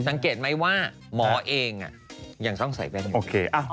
สังเกตรมั้ยว่าหมอเองอ่ะยังต้องใส่แบงแรง